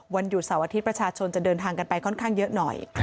วันหยุดเสาร์อาทิตย์ประชาชนจะเดินทางกันไปค่อนข้างเยอะหน่อย